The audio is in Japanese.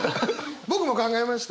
僕も考えました。